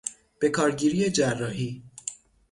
به کارگیری جراحی